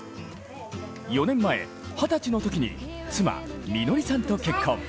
４年前、二十歳のときに妻、実紀さんと結婚。